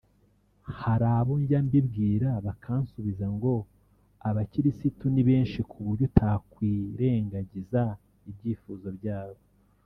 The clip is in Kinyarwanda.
Hari abo njya mbibwira bakansubiza ngo ‘Abakirisitu ni benshi’ ku buryo utakwirengangiza ibyifuzo byabo